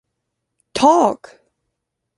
Talk!